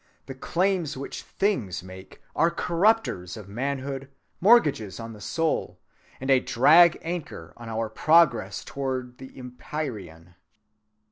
The claims which things make are corrupters of manhood, mortgages on the soul, and a drag anchor on our progress towards the empyrean.